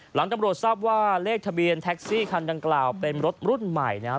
ตำรวจทราบว่าเลขทะเบียนแท็กซี่คันดังกล่าวเป็นรถรุ่นใหม่นะครับ